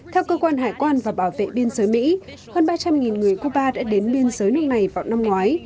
theo cơ quan hải quan và bảo vệ biên giới mỹ hơn ba trăm linh người cuba đã đến biên giới nước này vào năm ngoái